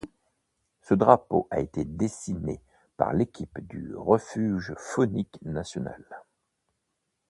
Ce drapeau a été dessiné par l'équipe du refuge faunique national.